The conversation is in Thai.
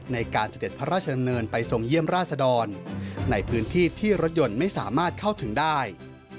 เสด็จพระราชดำเนินไปทรงเยี่ยมราชดรในพื้นที่ที่รถยนต์ไม่สามารถเข้าถึงได้